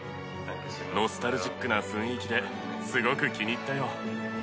ノスタルジックな雰囲気で、すごく気に入ったよ。